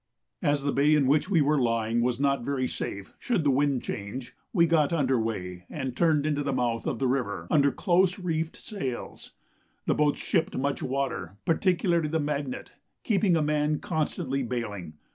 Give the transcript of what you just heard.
As the bay in which we were lying was not very safe should the wind change, we got under weigh and turned into the mouth of the river under close reefed sails. The boats shipped much water, particularly the Magnet, keeping a man constantly baling.